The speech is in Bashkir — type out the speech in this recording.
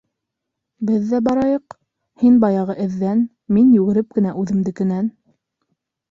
Беҙ ҙә барайыҡ: һин — баяғы эҙҙән, мин йүгереп кенә — үҙемдекенән.